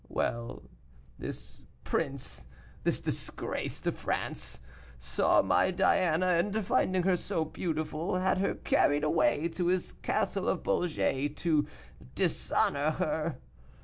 Well, this prince, this disgrace to France, saw my Diana, and, finding her so beautiful, had her carried away to his castle of Beaugé to dishonor her.